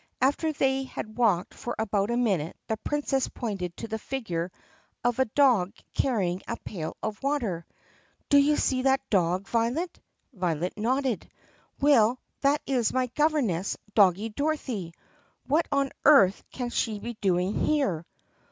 After they had walked for about a minute the Princess pointed to the figure of a dog carrying a pail of water. "Do you see that dog, Violet?" Violet nodded. "Well, that is my governess, Doggie Dorothy. What on earth can she be doing here?"